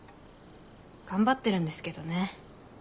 頑張ってるんですけどね。